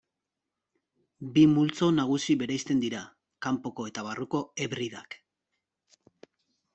Bi multzo nagusi bereizten dira: Kanpoko eta Barruko Hebridak.